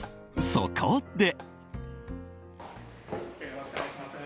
そこで。